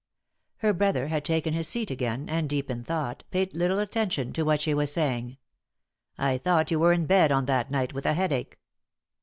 Her brother had taken his seat again, and, deep in thought, paid little attention to what she was saying. "I thought you were in bed on that night with a headache?"